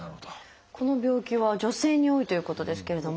この病気は女性に多いということですけれども。